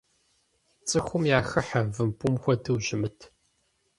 Цӏыхум яхыхьэ, вымпӏум хуэдэу ущымыт.